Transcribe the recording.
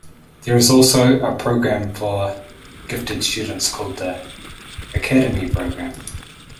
There is also a program for gifted students called the "Academy Program".